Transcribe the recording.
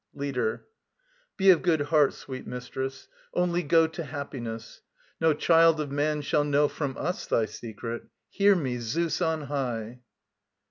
LEADER. Be of good heart, sweet mistress. Only go To happiness. No child of man shall know From us thy secret. Hear me, Zeus on high!